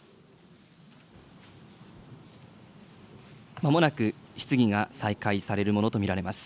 まもなく質疑が再開されるものと見られます。